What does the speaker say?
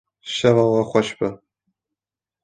Şeva we xweş be.